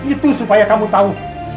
itu supaya kamu tahu